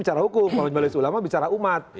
secara hukum kalau majelis ulama bicara umat